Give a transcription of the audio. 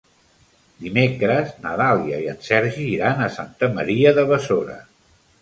Dimecres na Dàlia i en Sergi iran a Santa Maria de Besora.